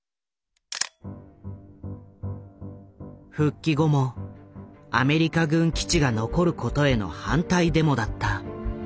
復帰後もアメリカ軍基地が残ることへの反対デモだった。